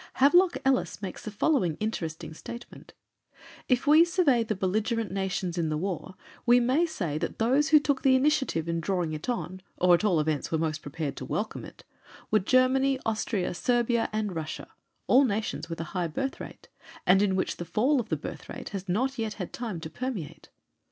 Havelock Ellis makes the following interesting statement: "If we survey the belligerent nations in the war we may say that those who took the initiative in drawing it on, or at all events were most prepared to welcome it, were Germany, Austria, Serbia, and Russia all nations with a high birth rate, and in which the fall of the birth rate has not yet had time to permeate.